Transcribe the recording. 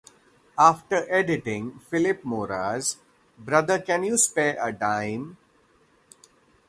After editing Philippe Mora's Brother, Can You Spare a Dime?